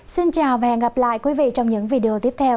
xin chào và hẹn gặp lại quý vị trong những video tiếp theo